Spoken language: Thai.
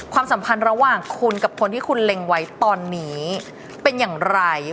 สัมพันธ์ระหว่างคุณกับคนที่คุณเล็งไว้ตอนนี้เป็นอย่างไร